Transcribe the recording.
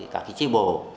các chi bồ